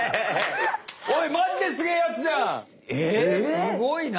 すごいな！